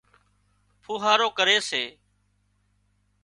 ڦوهارو ڪري سي